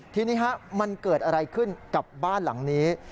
ทีนี้มันเกิดอะไรขึ้นกับบ้านหลังนี้